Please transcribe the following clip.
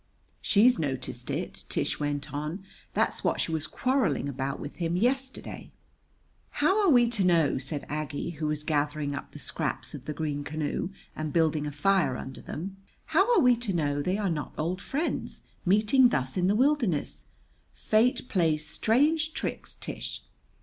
"She's noticed it," Tish went on. "That's what she was quarreling about with him yesterday." "How are we to know," said Aggie, who was gathering up the scraps of the green canoe and building a fire under them "how are we to know they are not old friends, meeting thus in the wilderness? Fate plays strange tricks, Tish.